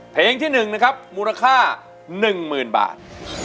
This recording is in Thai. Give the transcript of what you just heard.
เพลงที่หนึ่งนะครับมูลค่าหนึ่งหมื่นบาท